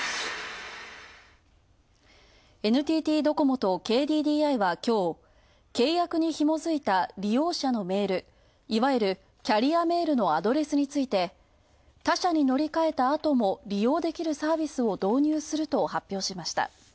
ＮＴＴドコモとＫＤＤＩはきょう契約にひもづいた利用者のメールいわゆるキャリアメールのアドレスについて他社に乗り換えたあとも利用できるサービスを導入すると発表しました。